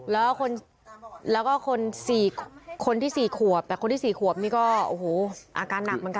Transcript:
แล้วก็คน๔คนที่๔ขวบแต่คนที่๔ขวบนี่ก็โอ้โหอาการหนักเหมือนกัน